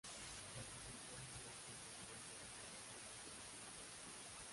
Participó en numerosas batallas durante la Guerra de los Diez Años.